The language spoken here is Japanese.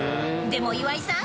［でも岩井さん。